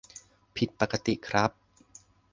ผิดปกติครับ !